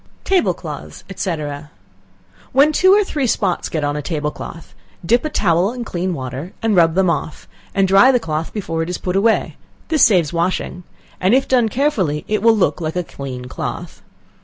Table Cloths, &c. When two or three spots get on a table cloth, dip a towel in clean water and rub them off, and dry the cloth before it is put away, this saves washing, and if done carefully it will look like a clean cloth.